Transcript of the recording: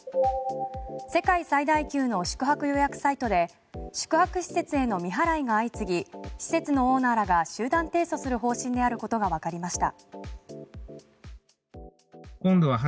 世界最大級の宿泊予約サイトで宿泊施設への未払いが相次ぎ施設のオーナーらが集団提訴する方針であることがわかりました。